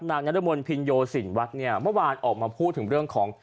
นรมนต์พินโยสินวัดเนี่ยเมื่อวานออกมาพูดถึงเรื่องของ